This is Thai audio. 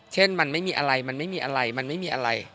เช่นมันไม่มีอะไรมันไม่มีอะไรมันไม่มีอะไร